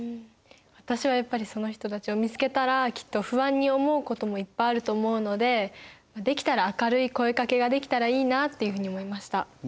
私はやっぱりその人たちを見つけたらきっと不安に思うこともいっぱいあると思うのでできたら明るい声かけができたらいいなっていうふうに思いました。